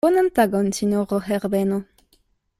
Bonan tagon, sinjoro Herbeno.